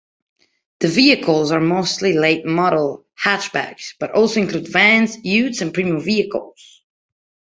The vehicles are mostly late-model hatchbacks, but also include vans, utes and premium vehicles.